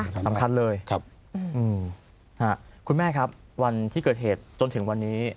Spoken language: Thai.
ต้องการบ้างครับคุณแม่ครับวันที่เกิดเหตุจนถึงวันนี้